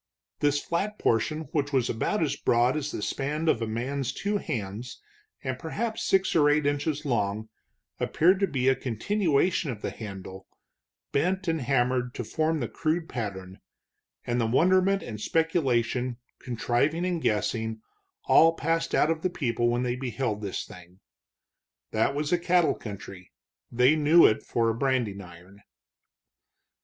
This flat portion, which was about as broad as the span of a man's two hands and perhaps six or eight inches long, appeared to be a continuation of the handle, bent and hammered to form the crude pattern, and the wonderment and speculation, contriving and guessing, all passed out of the people when they beheld this thing. That was a cattle country; they knew it for a branding iron.